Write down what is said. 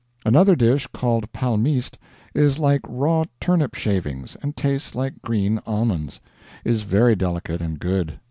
Another dish, called palmiste, is like raw turnip shavings and tastes like green almonds; is very delicate and good.